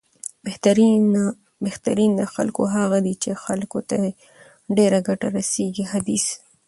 بهترین د خلکو هغه دی، چې خلکو ته یې ډېره ګټه رسېږي، حدیث